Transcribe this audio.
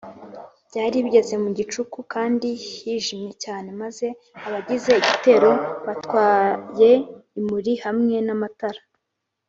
byari bigeze mu gicuku kandi hijimye cyane; maze abagize igitero batwaye imuri hamwe n’amatar